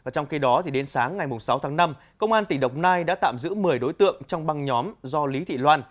trong khi đó đến sáng ngày sáu tháng năm công an tỉnh đồng nai đã tạm giữ một mươi đối tượng trong băng nhóm do lý thị loan